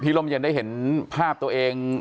ร่มเย็นได้เห็นภาพตัวเอง